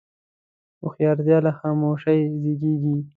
هوښیارتیا له خاموشۍ زیږېږي.